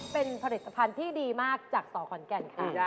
เป็นผลิตภัณฑ์ที่ดีมากจากสอขอนแก่นค่ะ